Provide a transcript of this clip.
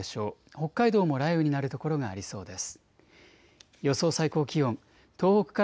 北海道も雷雨になる所がありそうです。